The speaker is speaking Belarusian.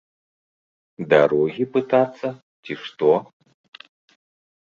Дарогі пытацца ці што?